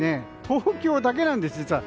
東京だけなんです、実は。